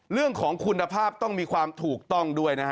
เรื่องของคุณภาพต้องมีความถูกต้องด้วยนะฮะ